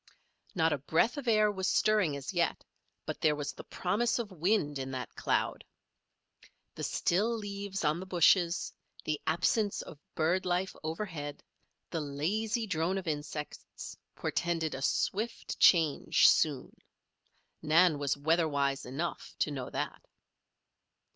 Not a breath of air was stirring as yet; but there was the promise of wind in that cloud. The still leaves on the bushes, the absence of bird life overhead, the lazy drone of insects, portended a swift change soon. Nan was weather wise enough to know that.